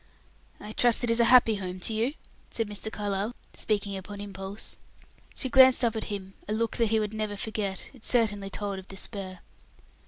"I trust it is a happy home to you?" said Mr. Carlyle, speaking upon impulse. She glanced up at him a look that he would never forget; it certainly told of despair.